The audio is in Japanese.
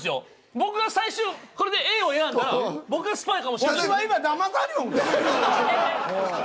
僕が最終これでＡを選んだら僕がスパイかもしれない。